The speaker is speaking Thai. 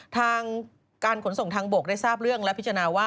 ทางการขนส่งทางบกได้ทราบเรื่องและพิจารณาว่า